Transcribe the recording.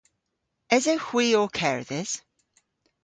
Esewgh hwi ow kerdhes?